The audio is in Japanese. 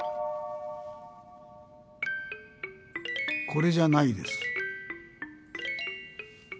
これじゃないです。